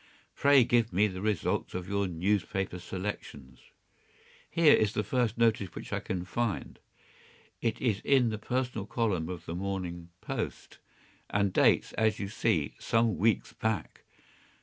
Pray give me the results of your newspaper selections.” “Here is the first notice which I can find. It is in the personal column of The Morning Post, and dates, as you see, some weeks back.